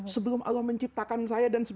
sebelum allah menciptakan saya dan